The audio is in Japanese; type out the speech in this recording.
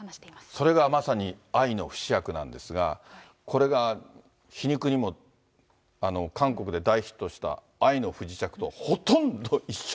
それがまさに愛の不死薬なんですが、これが皮肉にも韓国で大ヒットした愛の不時着とほとんど一緒